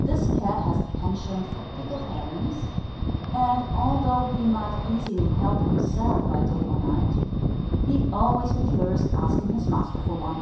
This cat has a penchant for pickled herrings; and although he might easily help himself by day or night, he always prefers asking his master for one.